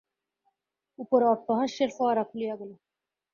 উপরে অট্টহাস্যের ফোয়ারা খুলিয়া গেল।